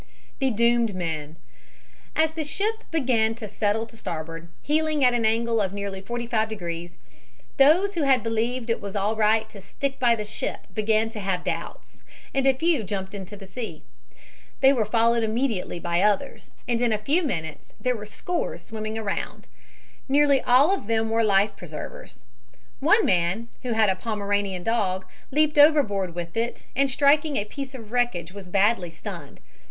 THE DOOMED MEN As the ship began to settle to starboard, heeling at an angle of nearly forty five degrees, those who had believed it was all right to stick by the ship began to have doubts, and a few jumped into the sea. They were followed immediately by others, and in a few minutes there were scores swimming around. Nearly all of them wore life preservers. One man, who had a Pomeranian dog, leaped overboard with it and striking a piece of wreckage was badly stunned.